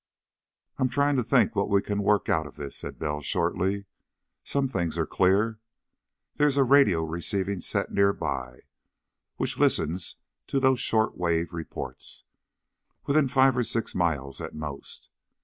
"I'm trying to think what we can work out of this," said Bell shortly. "Some things are clear. There's a radio receiving set nearby, which listened to those short wave reports. Within five or six miles, at most.